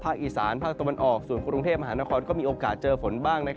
อีสานภาคตะวันออกส่วนกรุงเทพมหานครก็มีโอกาสเจอฝนบ้าง